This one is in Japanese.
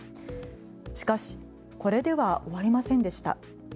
しかしこれでは終わりませんでした。